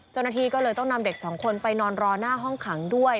จริงก็เลยต้องนำเด็ก๒คนไปนอนรอหน้าห้องขังด้วย